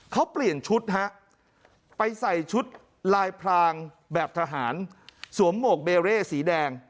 เขาเปลี่ยนชุดฮะไปใส่ชุดลายพรางแบบทหารสวมหมวกเบเร่สีแดง